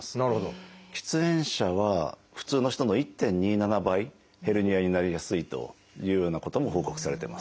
喫煙者は普通の人の１．２７倍ヘルニアになりやすいというようなことも報告されてます。